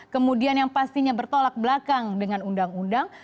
kemudian yang pastinya bertolak belakang dengan undang undang